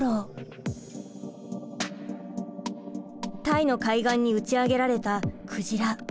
タイの海岸に打ち上げられたクジラ。